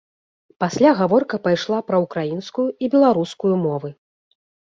Пасля гаворка пайшла пра ўкраінскую і беларускую мовы.